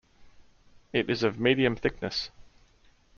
It is of medium thickness.